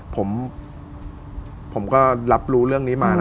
ผมก็รับรู้